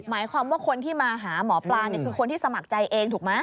หมายความว่าคนที่มาหาหมอปลาคือคนที่สมัครใจเองถูกไหม